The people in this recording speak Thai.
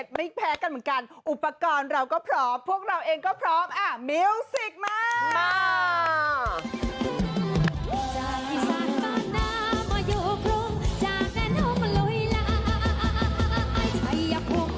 มันลุยล้าย